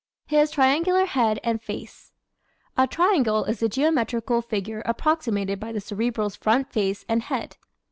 His Triangular Head and Face ¶ A triangle is the geometrical figure approximated by the Cerebral's front face and head.